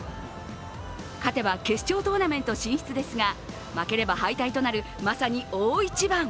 勝てば決勝トーナメント進出ですが、負ければ敗退となるまさに大一番。